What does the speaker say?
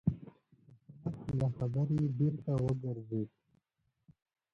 احمد له خبرې بېرته وګرځېد.